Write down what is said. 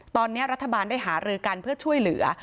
ตอนนี้รัฐบาลได้หารือกันเพื่อช่วยเหลือ